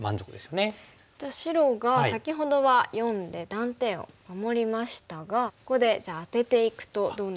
じゃあ白が先ほどは④で断点を守りましたがここでじゃあアテていくとどうなるんでしょうか？